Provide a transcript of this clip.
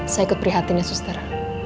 saya ikut prihatin ya suster